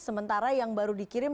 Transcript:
sementara yang baru dikirim